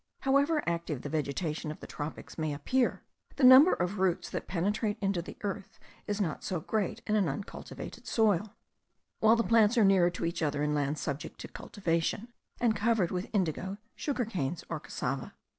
However active the vegetation of the tropics may appear, the number of roots that penetrate into the earth, is not so great in an uncultivated soil; while the plants are nearer to each other in lands subjected to cultivation, and covered with indigo, sugar canes, or cassava.